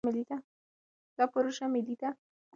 دا پروژه ملي ده.